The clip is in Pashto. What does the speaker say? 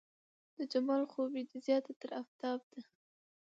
د جمال خوبي دې زياته تر افتاب ده